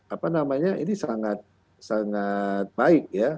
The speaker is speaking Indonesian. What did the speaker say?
apa namanya ini sangat baik ya